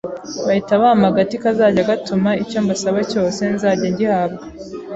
bahita bampa agati kazajya gatuma icyo mbasaba cyose nzajya ngihabwa